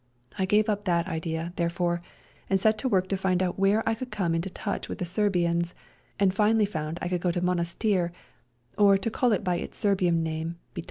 I gave up that idea, therefore, and set to work to find out where I could come into touch with the Serbians, and finally foimd I could go to Monastir, or, to call it by its Serbian name, Bitol.